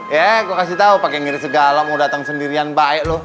ya gue kasih tau pake ngirit segala mau datang sendirian baik lo